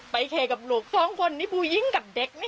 เคกับลูกสองคนนี่ผู้หญิงกับเด็กนะ